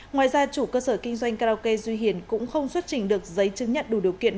ngoài ra chủ cơ sở kinh doanh karaoke duy hiền cũng không xuất trình được giấy chứng nhận đủ điều kiện